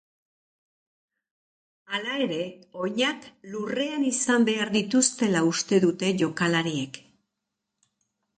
Hala ere, oinak lurrean izan behar dituztela uste dute jokalariek.